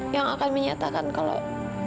yang akan menyatakan kalau